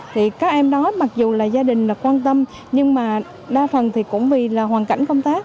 thì các em đó mặc dù là gia đình là quan tâm nhưng mà đa phần thì cũng vì là hoàn cảnh công tác